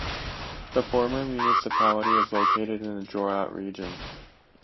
The former municipality is located in the Jorat region.